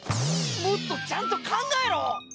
もっとちゃんと考えろ！